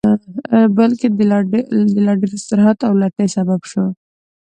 بلکې د لا ډېر استراحت او لټۍ سبب شو